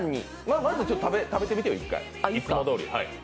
まず食べてみてよいつもどおり。